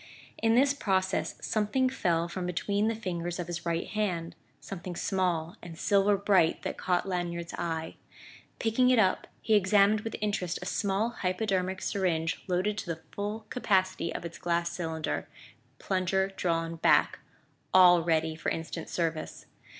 In this process something fell from between the fingers of his right hand something small and silver bright that caught Lanyard's eye. Picking it up, he examined with interest a small hypodermic syringe loaded to the full capacity of its glass cylinder, plunger drawn back all ready for instant service.